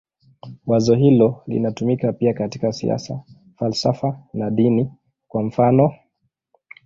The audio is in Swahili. Wazo hilo linatumika pia katika siasa, falsafa na dini, kwa mfanof.